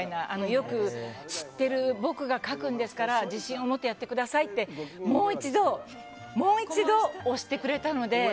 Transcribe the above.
よく知ってる僕が書くんですから自信を持ってやってくださいってもう一度、押してくれたので。